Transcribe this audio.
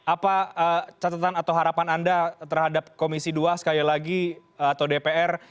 apa catatan atau harapan anda terhadap komisi dua sekali lagi atau dpr